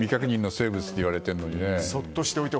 生物と言われているのに。